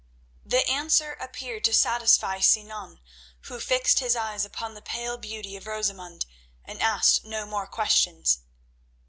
The answer appeared to satisfy Sinan, who fixed his eyes upon the pale beauty of Rosamund and asked no more questions.